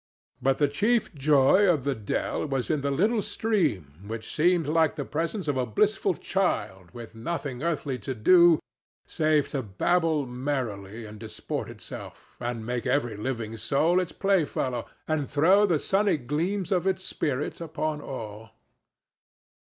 But the chief joy of the dell was in the little stream which seemed like the presence of a blissful child with nothing earthly to do save to babble merrily and disport itself, and make every living soul its playfellow, and throw the sunny gleams of its spirit upon all.